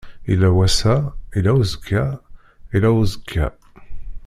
Illa wass-a, illa uzekka, illa uẓekka.